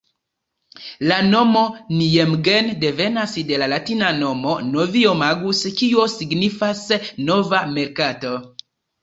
La nomo Nijmegen devenas de la latina nomo "Novio-magus", kio signifas 'nova merkato'.